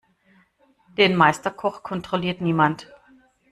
Den Meisterkoch kontrolliert niemand.